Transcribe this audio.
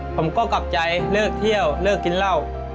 ผมก็กลับใจเลิกเที่ยวเลิกกินเหล้า